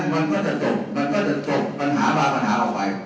มันก็จะจบมันก็จะจบปัญหาบางปัญหาออกไป